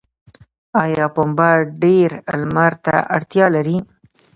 آیا پنبه ډیر لمر ته اړتیا لري؟